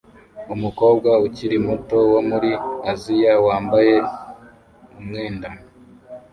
Umukobwa ukiri muto wo muri Aziya yambaye umwenda